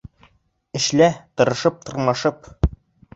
Эшлә тырышып-тырмашып